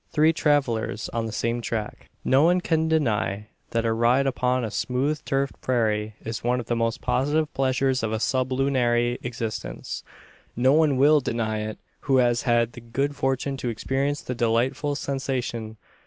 THREE TRAVELLERS ON THE SAME TRACK. No one can deny, that a ride upon a smooth turfed prairie is one of the most positive pleasures of sublunary existence. No one will deny it, who has had the good fortune to experience the delightful sensation.